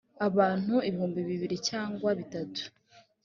abantu ibihumbi bibiri cyangwa bitatu.